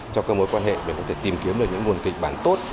cho các mối quan hệ mình có thể tìm kiếm được những nguồn kịch bản tốt